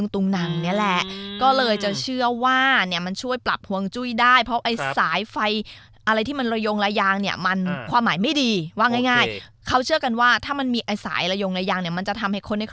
แต่มันไม่มีใครทำวางขายไงฮะ